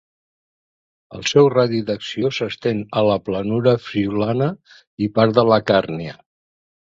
El seu radi d'acció s'estén a la planura friülana i part de la Càrnia.